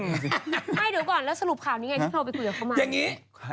ใช่เดี๋ยวก่อนแล้วสรุปข่าวนี้ไงที่เราไปคุยกับเขามา